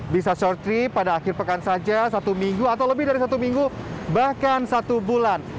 bisa short trip pada akhir pekan saja satu minggu atau lebih dari satu minggu bahkan satu bulan